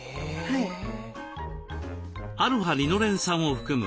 α−リノレン酸を含む